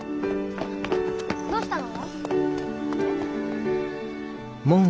どうしたの？